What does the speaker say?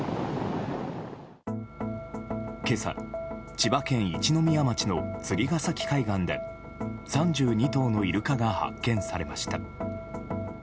今朝千葉県一宮町の釣ヶ崎海岸で３２頭のイルカが発見されました。